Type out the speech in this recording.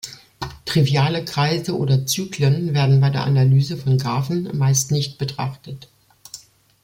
Triviale Kreise oder Zyklen werden bei der Analyse von Graphen meist nicht betrachtet.